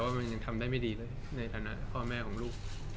มันยังทำได้ไม่ดีเลยในฐานะพ่อแม่ของลูก